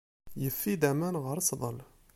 Yeffi-d aman ɣer sḍel.